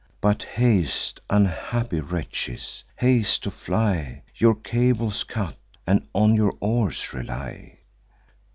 But haste, unhappy wretches, haste to fly! Your cables cut, and on your oars rely!